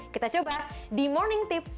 kita coba di morning tips